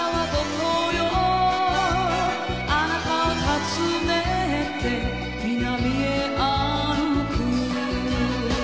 「あなたをたずねて南へ歩く」